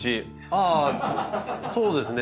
ああそうですね。